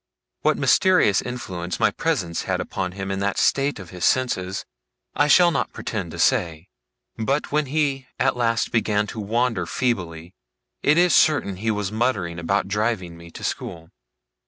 What mysterious influence my presence had upon him in that state of his senses, I shall not pretend to say; but when he at last began to wander feebly, it is certain he was muttering about driving me to school.